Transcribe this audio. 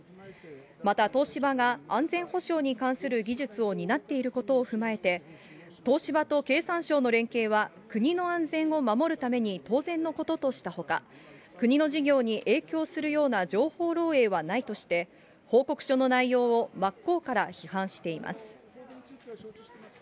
また、東芝が安全保障に関する技術を担っていることを踏まえて、東芝と経産省と連携は、国の安全を守るために当然のこととしたほか、国の事業に影響するような情報漏えいはないとして、報告書の内容を真っ向から批判しています。